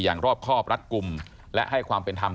รอบครอบรัดกลุ่มและให้ความเป็นธรรม